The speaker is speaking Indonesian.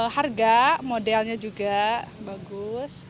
harga modelnya juga bagus